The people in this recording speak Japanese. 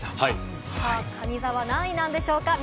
かに座は何位なんでしょうか？